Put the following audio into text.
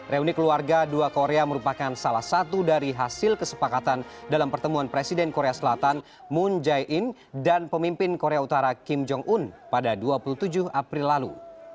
reuni keluarga dua korea merupakan salah satu dari hasil kesepakatan dalam pertemuan presiden korea selatan moon jae in dan pemimpin korea utara kim jong un pada dua puluh tujuh april lalu